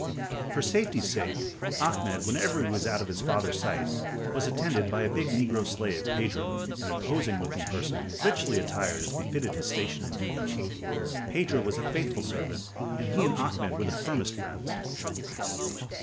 For safety's sake, Ahmed, whenever he was out of his father's sight, was attended, by a big negro slave, Pedro, an imposing looking person, richly attired as befitted his station and duties. Pedro was a faithful servant, and he and Ahmed were the firmest friends.